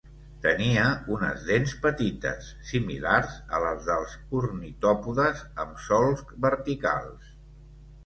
Tenia unes dents petites, similars a les dels ornitòpodes, amb solcs verticals.